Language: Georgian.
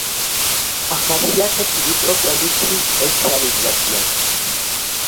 ახასიათებს ვიწრო კვებითი სპეციალიზაცია.